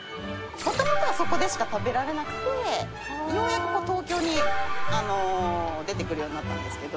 もともとそこでしか食べられなくてようやく東京に出てくるようになったんですけど。